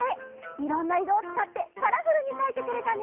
いろんないろをつかってカラフルにかいてくれたね！